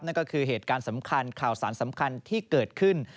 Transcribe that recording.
นั่นก็คือเหตุการณ์สำคัญข่าวสารสำคัญที่เกิดขึ้น